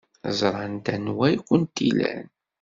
Ẓrant anwa ay kent-ilan.